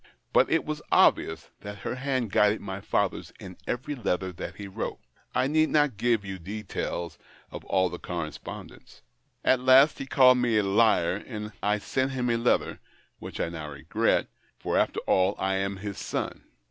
But it was obvious that her hand guided my father's in every letter that he wrote. I need not give you details of all the correspondence. At last he called me a liar, and I sent him a letter, which I now regret — for, after all, I am his son.